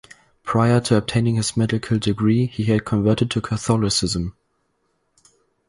Prior to obtaining his medical degree, he had converted to Catholicism.